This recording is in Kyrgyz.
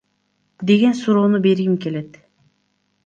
деген суроону бергим келет.